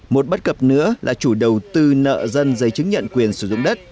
một bất cập nữa là chủ đầu tư nợ dân giấy chứng nhận quyền sử dụng đất